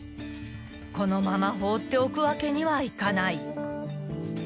［このまま放っておくわけにはいかない］